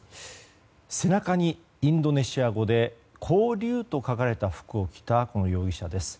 背中にインドネシア語で勾留と書かれた服を着たこの容疑者です。